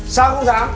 sao không dám